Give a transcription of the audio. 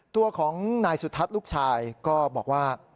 ตัวของนายสุทัศน์ลูกชายก็บอกว่า